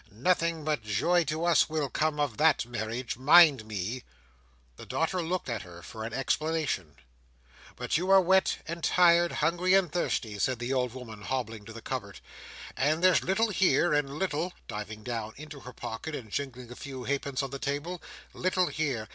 "Nothing but joy to us will come of that marriage. Mind me!" The daughter looked at her for an explanation. "But you are wet and tired; hungry and thirsty," said the old woman, hobbling to the cupboard; "and there's little here, and little"—diving down into her pocket, and jingling a few half—pence on the table—"little here.